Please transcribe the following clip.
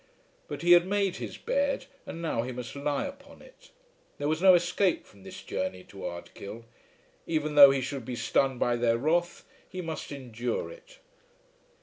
But he had made his bed, and now he must lie upon it. There was no escape from this journey to Ardkill. Even though he should be stunned by their wrath he must endure it.